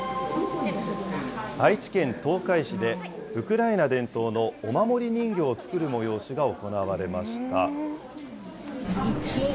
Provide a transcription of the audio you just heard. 愛知県東海市で、ウクライナ伝統のお守り人形を作る催しが行われました。